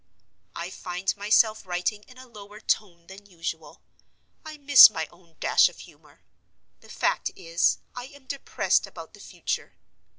I find myself writing in a lower tone than usual; I miss my own dash of humor. The fact is, I am depressed about the future.